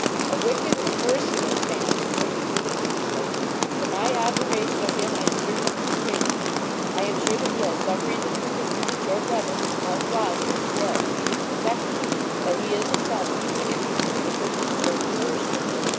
'A wicked and merciless man, I say,' repeated Miss Lake. 'From my observation of him, I am certain of two things I am sure that he has some reason for thinking that your brother, Mark Wylder, is dead; and secondly, that he is himself deeply interested in the purchase of your reversion.